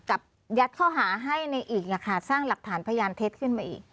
จับยัดข้อหาให้ในอีกล่ะค่ะสร้างหลักฐานพยานเท็จขึ้นมาอีก